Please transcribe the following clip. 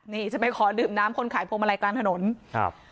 นี่จะไปขอดื่มน้ำคนขายพวงมาลัยกลางถนนครับ